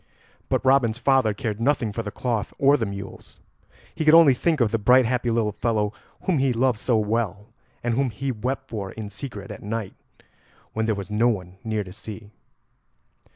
But Robin's father cared nothing for the cloth or the mules; he could only think of the bright happy little fellow whom he loved so well, and whom he wept for in secret at night when there was no one near to see.